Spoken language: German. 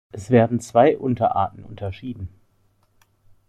Es werden zwei Unterarten unterschieden.